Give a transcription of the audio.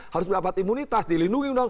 harus mendapat imunitas dilindungi